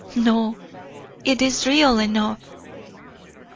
"No, it is real enough."